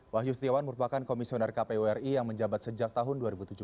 wahyu setiawan merupakan komisioner kpu ri yang menjabat sejak tahun dua ribu tujuh belas